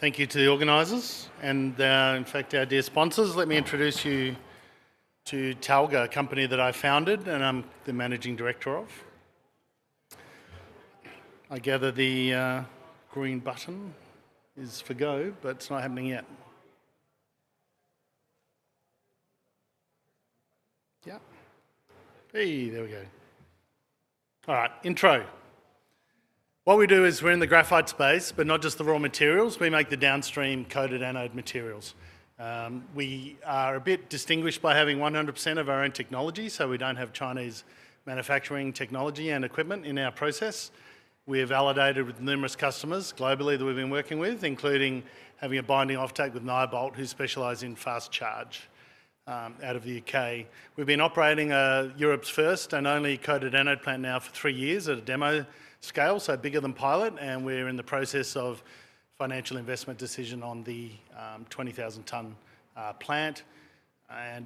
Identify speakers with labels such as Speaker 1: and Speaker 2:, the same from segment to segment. Speaker 1: Thank you to the organizers and, in fact, our dear sponsors. Let me introduce you to Talga, a company that I founded and I'm the Managing Director of. I gather the green button is for go, but it's not happening yet. Yeah. Hey, there we go. All right, intro. What we do is we're in the graphite space, but not just the raw materials. We make the downstream coated anode materials. We are a bit distinguished by having 100% of our own technology, so we don't have Chinese manufacturing technology and equipment in our process. We are validated with numerous customers globally that we've been working with, including having a binding offtake with NIBOLT, who specialize in fast charge out of the U.K. We've been operating Europe's first and only coated anode plant now for three years at a demo scale, so bigger than pilot, and we're in the process of financial investment decision on the 20,000-tonne plant.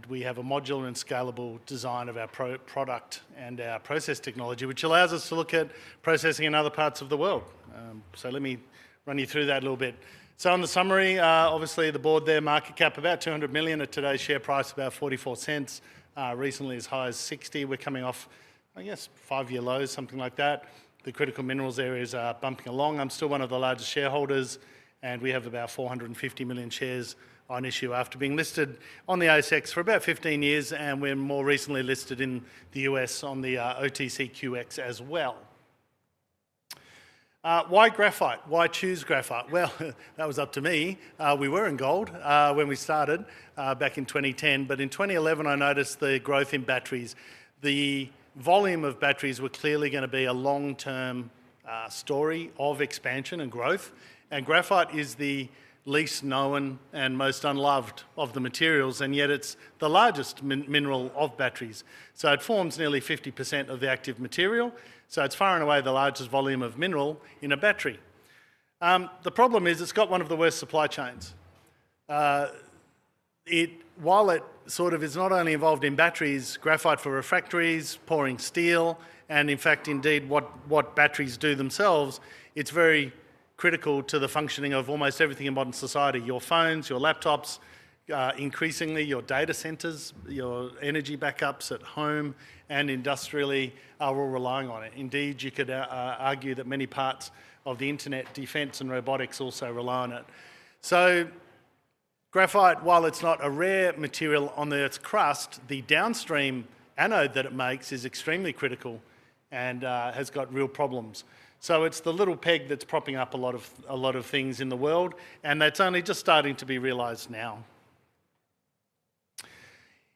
Speaker 1: We have a modular and scalable design of our product and our process technology, which allows us to look at processing in other parts of the world. Let me run you through that a little bit. On the summary, obviously the board there, market cap about 200 million at today's share price, about 0.44, recently as high as 0.60. We're coming off, I guess, five-year lows, something like that. The critical minerals areas are bumping along. I'm still one of the largest shareholders, and we have about 450 million shares on issue after being listed on the ASX for about 15 years, and we're more recently listed in the U.S. on the OTCQX as well. Why graphite? Why choose graphite? That was up to me. We were in gold when we started back in 2010, but in 2011, I noticed the growth in batteries. The volume of batteries was clearly going to be a long-term story of expansion and growth, and graphite is the least known and most unloved of the materials, and yet it's the largest mineral of batteries. It forms nearly 50% of the active material, so it's far and away the largest volume of mineral in a battery. The problem is it's got one of the worst supply chains. While it sort of is not only involved in batteries, graphite for refractories, pouring steel, and in fact, indeed, what batteries do themselves, it is very critical to the functioning of almost everything in modern society: your phones, your laptops, increasingly your data centers, your energy backups at home, and industrially are all relying on it. Indeed, you could argue that many parts of the internet, defense, and robotics also rely on it. So graphite, while it is not a rare material on the Earth's crust, the downstream anode that it makes is extremely critical and has got real problems. It is the little peg that is propping up a lot of things in the world, and that is only just starting to be realized now.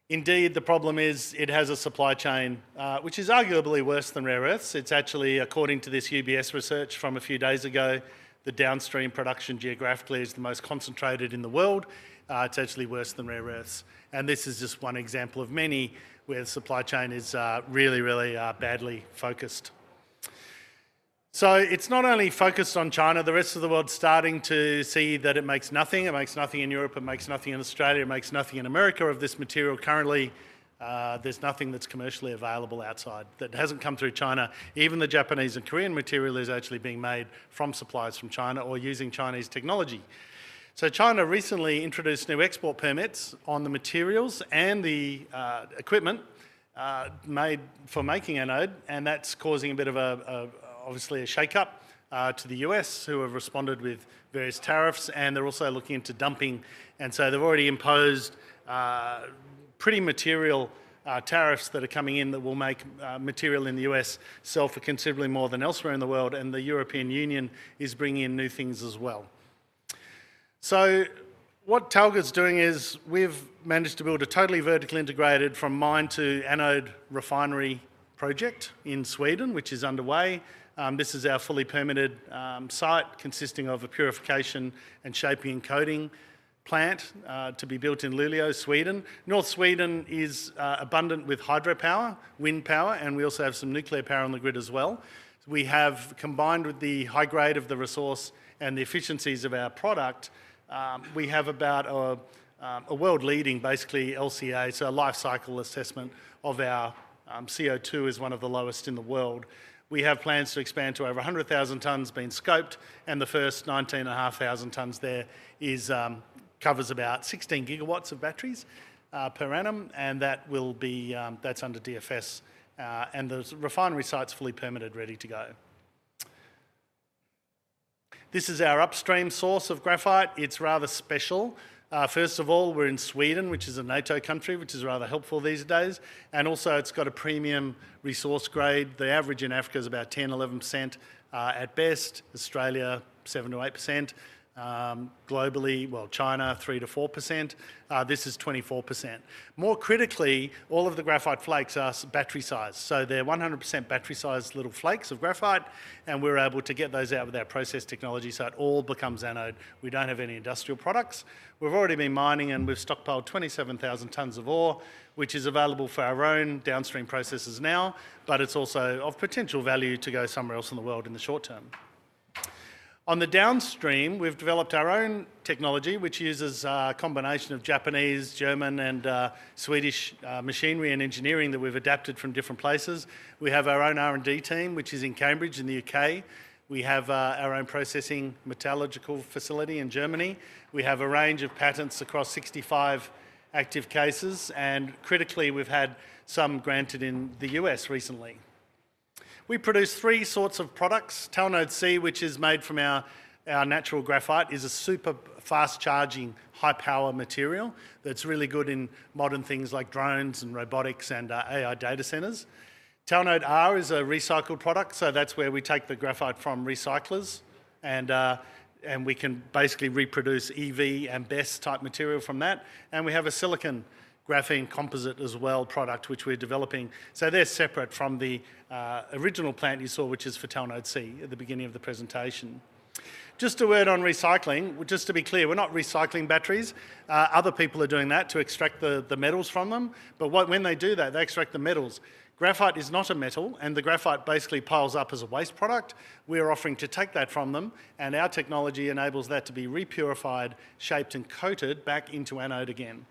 Speaker 1: Indeed, the problem is it has a supply chain which is arguably worse than rare earths. It's actually, according to this UBS research from a few days ago, the downstream production geographically is the most concentrated in the world. It's actually worse than rare earths. This is just one example of many where the supply chain is really, really badly focused. It's not only focused on China. The rest of the world's starting to see that it makes nothing. It makes nothing in Europe. It makes nothing in Australia. It makes nothing in America of this material currently, there's nothing that's commercially available outside that hasn't come through China. Even the Japanese and Korean material is actually being made from supplies from China or using Chinese technology. China recently introduced new export permits on the materials and the equipment made for making anode, and that's causing a bit of, obviously, a shake-up to the US, who have responded with various tariffs, and they're also looking into dumping. They've already imposed pretty material tariffs that are coming in that will make material in the U.S. sell for considerably more than elsewhere in the world, and the European Union is bringing in new things as well. What Talga's doing is we've managed to build a totally vertically integrated from mine to anode refinery project in Sweden, which is underway. This is our fully permitted site consisting of a purification and shaping and coating plant to be built in Luleå, Sweden. North Sweden is abundant with hydropower, wind power, and we also have some nuclear power on the grid as well. We have, combined with the high grade of the resource and the efficiencies of our product, we have about a world-leading, basically, LCA, so a life cycle assessment of our CO2 is one of the lowest in the world. We have plans to expand to over 100,000 tonnes being scoped, and the first 19,500 tonnes there covers about 16 GW of batteries per annum, and that will be that's under DFS, and the refinery site's fully permitted, ready to go. This is our upstream source of graphite. It's rather special. First of all, we're in Sweden, which is a NATO country, which is rather helpful these days, and also it's got a premium resource grade. The average in Africa is about 10%-11% at best. Australia, 7%-8%. Globally, well, China, 3%-4%. This is 24%. More critically, all of the graphite flakes are battery-sized, so they're 100% battery-sized little flakes of graphite, and we're able to get those out with our process technology so it all becomes anode. We don't have any industrial products. We've already been mining, and we've stockpiled 27,000 tonnes of ore, which is available for our own downstream processes now, but it's also of potential value to go somewhere else in the world in the short term. On the downstream, we've developed our own technology, which uses a combination of Japanese, German, and Swedish machinery and engineering that we've adapted from different places. We have our own R&D team, which is in Cambridge in the U.K. We have our own processing metallurgical facility in Germany. We have a range of patents across 65 active cases, and critically, we've had some granted in the U.S. recently. We produce three sorts of products. Talnode-C, which is made from our natural graphite, is a super fast-charging, high-power material that's really good in modern things like drones and robotics and AI data centers. Talnode-R is a recycled product, so that's where we take the graphite from recyclers, and we can basically reproduce EV and BESS-type material from that. We have a silicon graphene composite as well product, which we're developing. They're separate from the original plant you saw, which is for Talnode-C at the beginning of the presentation. Just a word on recycling. Just to be clear, we're not recycling batteries. Other people are doing that to extract the metals from them, but when they do that, they extract the metals. Graphite is not a metal, and the graphite basically piles up as a waste product. We are offering to take that from them, and our technology enables that to be repurified, shaped, and coated back into anode again.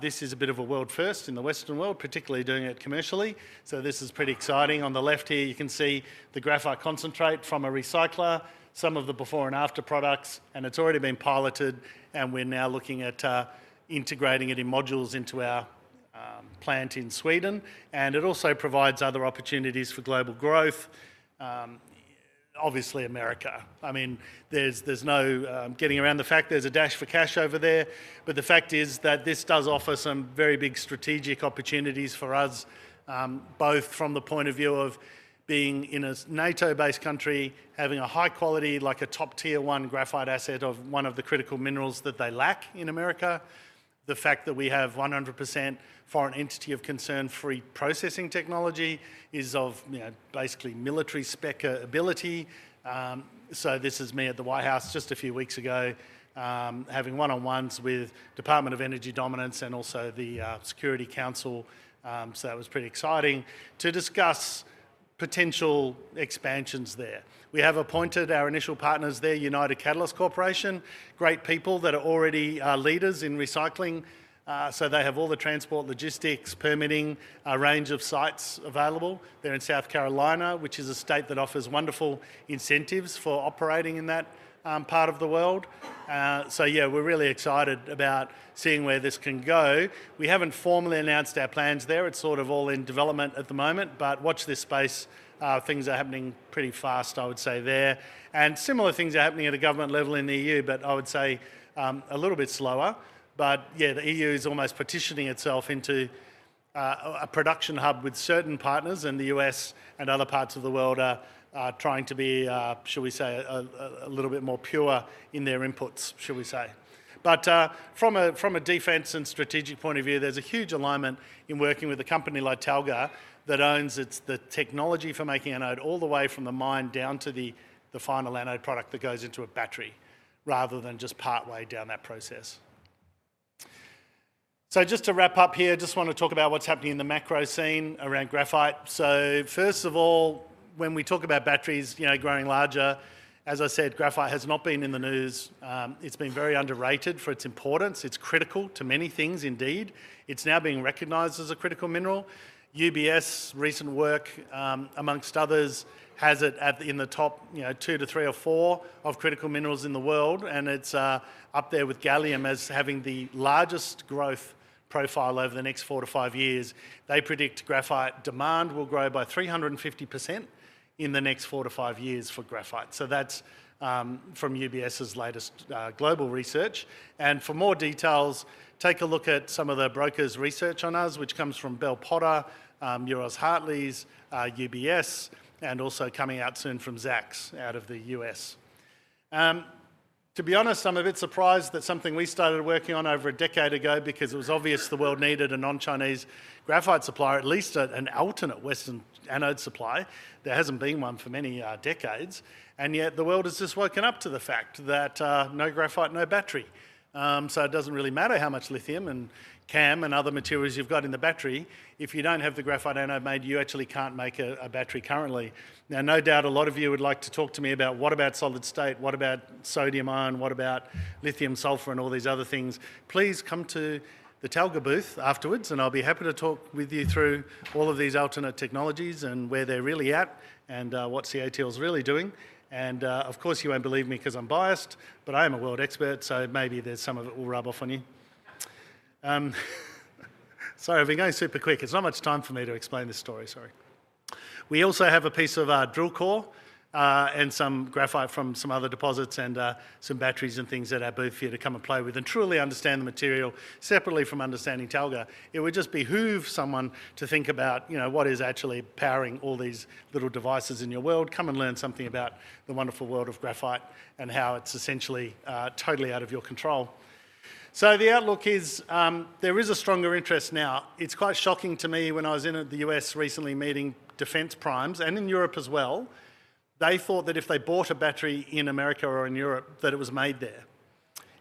Speaker 1: This is a bit of a world first in the Western world, particularly doing it commercially, so this is pretty exciting. On the left here, you can see the graphite concentrate from a recycler, some of the before and after products, and it's already been piloted, and we are now looking at integrating it in modules into our plant in Sweden. It also provides other opportunities for global growth, obviously America. I mean, there's no getting around the fact there's a dash for cash over there, but the fact is that this does offer some very big strategic opportunities for us, both from the point of view of being in a NATO-based country, having a high quality, like a top-tier one graphite asset of one of the critical minerals that they lack in America. The fact that we have 100% foreign entity of concern free processing technology is of basically military spec ability. This is me at the White House just a few weeks ago having one-on-ones with the Department of Energy Dominance and also the Security Council, so that was pretty exciting to discuss potential expansions there. We have appointed our initial partners there, United Catalyst Corporation, great people that are already leaders in recycling, so they have all the transport, logistics, permitting, a range of sites available. They're in South Carolina, which is a state that offers wonderful incentives for operating in that part of the world. Yeah, we're really excited about seeing where this can go. We haven't formally announced our plans there. It's sort of all in development at the moment, but watch this space. Things are happening pretty fast, I would say there. Similar things are happening at a government level in the EU, but I would say a little bit slower. The EU is almost partitioning itself into a production hub with certain partners, and the U.S. and other parts of the world are trying to be, shall we say, a little bit more pure in their inputs, shall we say. From a defense and strategic point of view, there is a huge alignment in working with a company like Talga that owns the technology for making anode all the way from the mine down to the final anode product that goes into a battery rather than just partway down that process. Just to wrap up here, I just want to talk about what is happening in the macro scene around graphite. First of all, when we talk about batteries growing larger, as I said, graphite has not been in the news. It has been very underrated for its importance. It is critical to many things, indeed. It is now being recognized as a critical mineral. UBS recent work, amongst others, has it in the top two-three or four of critical minerals in the world, and it's up there with gallium as having the largest growth profile over the next four to five years. They predict graphite demand will grow by 350% in the next four-five years for graphite. That is from UBS's latest global research. For more details, take a look at some of the broker's research on us, which comes from Bell Potter, Euroz Hartleys, UBS, and also coming out soon from Zacks out of the U.S. To be honest, I'm a bit surprised that something we started working on over a decade ago because it was obvious the world needed a non-Chinese graphite supplier, at least an alternate Western anode supply. There hasn't been one for many decades, and yet the world has just woken up to the fact that no graphite, no battery. It doesn't really matter how much lithium and cam and other materials you've got in the battery. If you don't have the graphite anode made, you actually can't make a battery currently. Now, no doubt a lot of you would like to talk to me about what about solid state, what about sodium ion, what about lithium sulfur and all these other things. Please come to the Talga booth afterwards, and I'll be happy to talk with you through all of these alternate technologies and where they're really at and what CATL's really doing. Of course, you won't believe me because I'm biased, but I am a world expert, so maybe some of it will rub off on you. Sorry, I've been going super quick. It's not much time for me to explain this story, sorry. We also have a piece of drill core and some graphite from some other deposits and some batteries and things at our booth for you to come and play with and truly understand the material separately from understanding Talga. It would just behoove someone to think about what is actually powering all these little devices in your world. Come and learn something about the wonderful world of graphite and how it's essentially totally out of your control. The outlook is there is a stronger interest now. It's quite shocking to me when I was in the U.S. recently meeting defense primes, and in Europe as well, they thought that if they bought a battery in America or in Europe, that it was made there.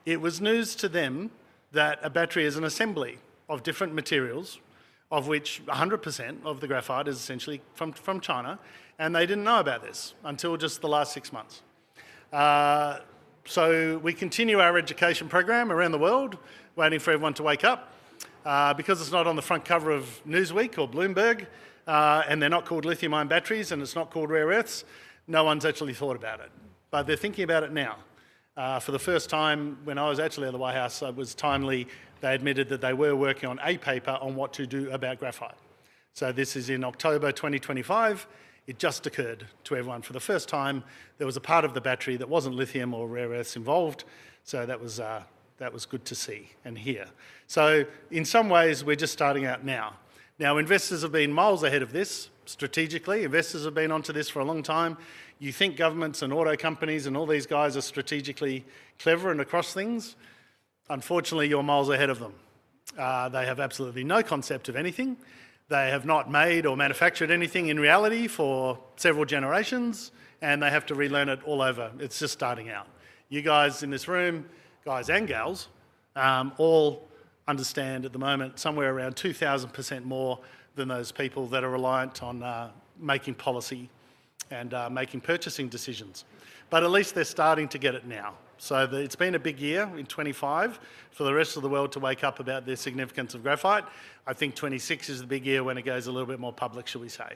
Speaker 1: It was news to them that a battery is an assembly of different materials, of which 100% of the graphite is essentially from China, and they did not know about this until just the last six months. We continue our education programme around the world, waiting for everyone to wake up. Because it is not on the front cover of Newsweek or Bloomberg, and they are not called lithium-ion batteries, and it is not called rare earths, no one has actually thought about it. They are thinking about it now. For the first time, when I was actually at the White House, it was timely they admitted that they were working on a paper on what to do about graphite. This is in October 2025. It just occurred to everyone for the first time. There was a part of the battery that was not lithium or rare earths involved, so that was good to see and hear. In some ways, we are just starting out now. Investors have been miles ahead of this strategically. Investors have been onto this for a long time. You think governments and auto companies and all these guys are strategically clever and across things? Unfortunately, you are miles ahead of them. They have absolutely no concept of anything. They have not made or manufactured anything in reality for several generations, and they have to relearn it all over. It is just starting out. You guys in this room, guys and gals, all understand at the moment somewhere around 2,000% more than those people that are reliant on making policy and making purchasing decisions. At least they are starting to get it now. It's been a big year in 2025 for the rest of the world to wake up about the significance of graphite. I think 2026 is the big year when it goes a little bit more public, shall we say.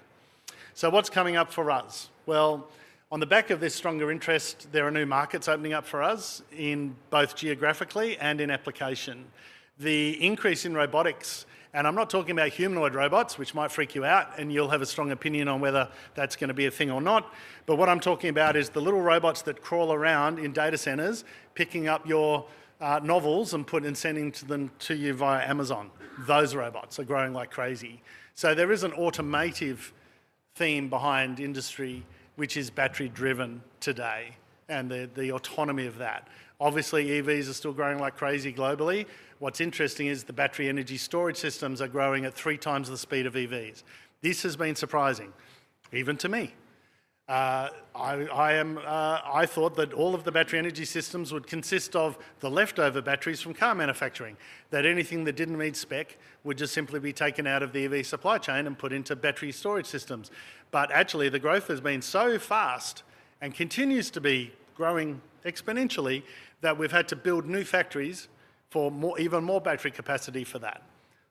Speaker 1: What's coming up for us? On the back of this stronger interest, there are new markets opening up for us both geographically and in application. The increase in robotics, and I'm not talking about humanoid robots, which might freak you out, and you'll have a strong opinion on whether that's going to be a thing or not, but what I'm talking about is the little robots that crawl around in data centers picking up your novels and sending them to you via Amazon. Those robots are growing like crazy. There is an automotive theme behind industry, which is battery-driven today and the autonomy of that. Obviously, EVs are still growing like crazy globally. What's interesting is the battery energy storage systems are growing at 3x's the speed of EVs. This has been surprising, even to me. I thought that all of the battery energy systems would consist of the leftover batteries from car manufacturing, that anything that didn't meet spec would just simply be taken out of the EV supply chain and put into battery storage systems. Actually, the growth has been so fast and continues to be growing exponentially that we've had to build new factories for even more battery capacity for that.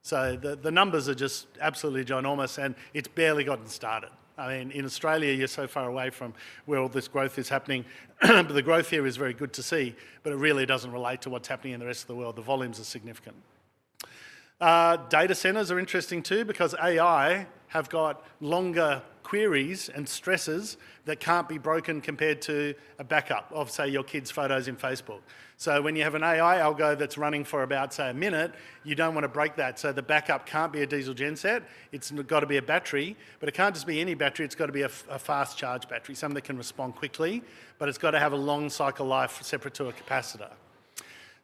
Speaker 1: The numbers are just absolutely ginormous, and it's barely gotten started. I mean, in Australia, you're so far away from where all this growth is happening, but the growth here is very good to see, but it really doesn't relate to what's happening in the rest of the world. The volumes are significant. Data centres are interesting too because AI have got longer queries and stresses that can't be broken compared to a backup of, say, your kid's photos in Facebook. When you have an AI algo that's running for about, say, a minute, you don't want to break that. The backup can't be a diesel genset. It's got to be a battery, but it can't just be any battery. It's got to be a fast charge battery, something that can respond quickly, but it's got to have a long cycle life separate to a capacitor.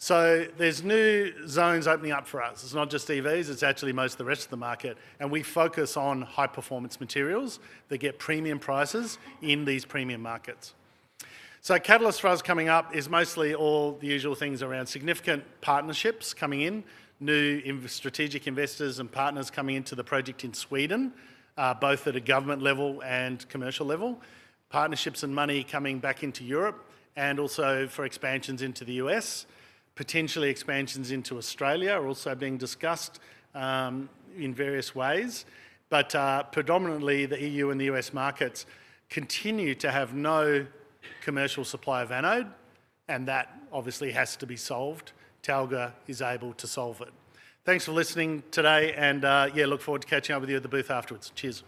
Speaker 1: There are new zones opening up for us. It's not just EVs. It's actually most of the rest of the market. We focus on high-performance materials that get premium prices in these premium markets. Catalyst for us coming up is mostly all the usual things around significant partnerships coming in, new strategic investors and partners coming into the project in Sweden, both at a government level and commercial level, partnerships and money coming back into Europe, and also for expansions into the U.S. Potentially, expansions into Australia are also being discussed in various ways. Predominantly, the EU and the U.S. markets continue to have no commercial supply of anode, and that obviously has to be solved. Talga is able to solve it. Thanks for listening today, and yeah, look forward to catching up with you at the booth afterwards. Cheers.